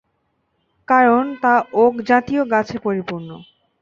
কারণ তা ওক জাতীয় গাছে পরিপূর্ণ।